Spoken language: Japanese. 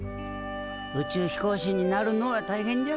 宇宙飛行士になるのはたいへんじゃぞ。